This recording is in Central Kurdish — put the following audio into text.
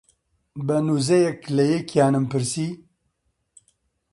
بە نووزەیەک لە یەکیانم پرسی: